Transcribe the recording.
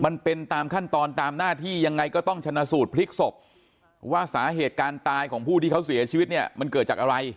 มันเป็นตามขั้นตอนตามหน้าที่ยังไงก็ต้องชนะสูตรพลิกศพว่าสาเหตุการณ์ตายของผู้ที่เขาเสียชีวิตเนี่ยมันเกิดจากอะไร